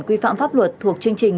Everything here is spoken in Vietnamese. quy phạm pháp luật thuộc chương trình